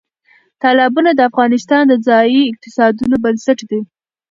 تالابونه د افغانستان د ځایي اقتصادونو بنسټ دی.